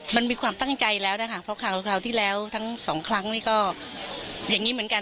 มันมีความตั้งใจแล้วนะคะเพราะคราวที่แล้วทั้งสองครั้งนี่ก็อย่างนี้เหมือนกัน